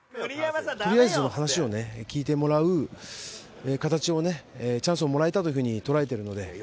とりあえず話をね聞いてもらう形をねチャンスをもらえたという風に捉えてるので。